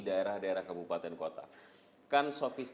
daerah daerah kabupaten kota